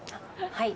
はい。